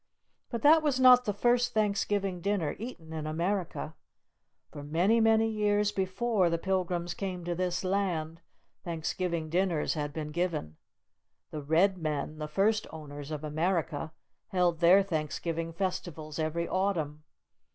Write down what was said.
But that was not the first Thanksgiving Dinner eaten in America! For many, many years before the Pilgrims came to this land, Thanksgiving Dinners had been given. The Red Men, the first owners of America, held their Thanksgiving Festivals every autumn.